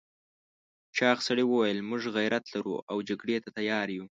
چاغ سړي وویل موږ غيرت لرو او جګړې ته تيار یو.